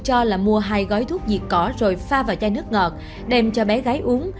cho là mua hai gói thuốc diệt cỏ rồi pha vào chai nước ngọt đem cho bé gái uống